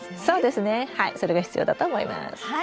そうですねはいそれが必要だと思います。